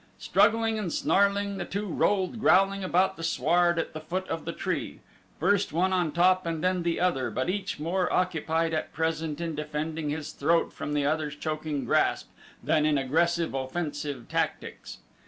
Struggling and snarling the two rolled growling about the sward at the foot of the tree, first one on top and then the other but each more occupied at present in defending his throat from the other's choking grasp than in aggressive, offensive tactics.